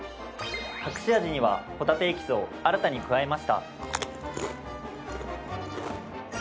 隠し味にはほたてエキスを新たに加えました。